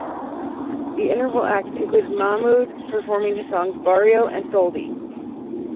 The interval act included Mahmood performing his songs "Barrio" and "Soldi".